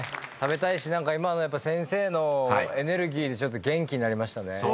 食べたいし今の先生のエネルギーでちょっと元気になりましたね。